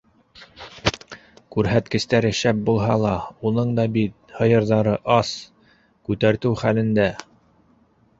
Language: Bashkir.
Күрһәткестәре шәп булһа ла уның да бит һыйырҙары ас, күтәртеү хәлендә.